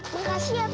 makasih ya pak